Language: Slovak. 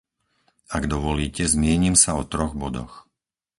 Ak dovolíte, zmienim sa o troch bodoch.